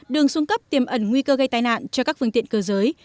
đường xuống cấp tiềm ẩn nguy cơ gây tai nạn cho các phương tiện cơ giới